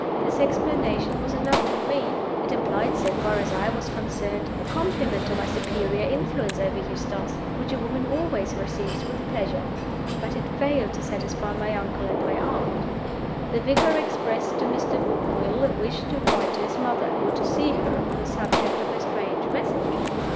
This explanation was enough for me; it implied, so far as I was concerned, a compliment to my superior influence over Eustace, which a woman always receives with pleasure. But it failed to satisfy my uncle and my aunt. The vicar expressed to Mr. Woodville a wish to write to his mother, or to see her, on the subject of her strange message.